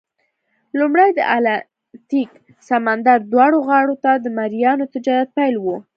لومړی د اتلانتیک سمندر دواړو غاړو ته د مریانو تجارت پیل وو.